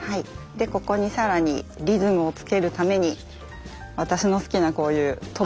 でここに更にリズムをつけるために私の好きなこういう飛ばし。